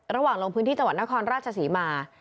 ลงพื้นที่จังหวัดนครราชศรีมา